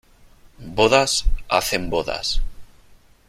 Bodas hacen bodas.